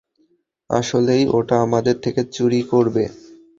আসলেই ওটা আমাদের থেকে চুরি করবে?